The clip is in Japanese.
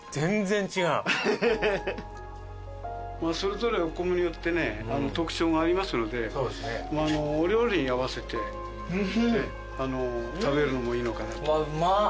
それぞれお米によってね特徴がありますのでお料理に合わせて食べるのもいいのかなと。